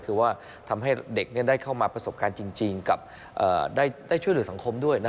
คือว่าทำให้เด็กได้เข้ามาประสบการณ์จริงกับได้ช่วยเหลือสังคมด้วยนะ